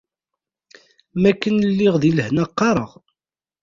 Mi akken i lliɣ di lehna, qqareɣ.